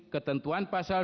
ketentuan pasal dua puluh satu